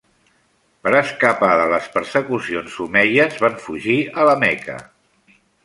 Per escapar de les persecucions omeies van fugir a la Meca.